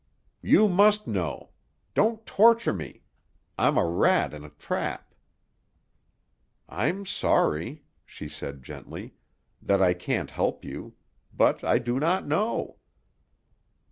"You must know! Don't torture me! I'm a rat in a trap." "I'm sorry," she said gently, "that I can't help you. But I do not know."